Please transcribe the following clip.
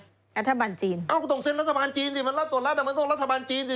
รัฐบาลจีนเอ้าก็ต้องเซ็นรัฐบาลจีนสิมันรัฐตรวจรัฐมันต้องรัฐบาลจีนสิ